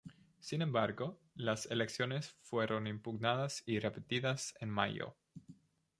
Sin embargo, las elecciones fueron impugnadas y repetidas en mayo.